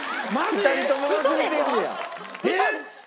２人とも忘れてんねや。